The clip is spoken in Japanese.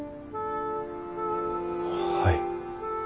はい。